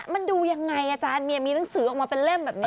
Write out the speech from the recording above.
มันดูยังไงอาจารย์เมียมีหนังสือออกมาเป็นเล่มแบบนี้